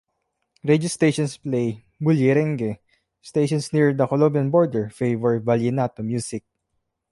Radio stations play "bullerengue"; stations nearer the Colombian border favor "vallenato" music.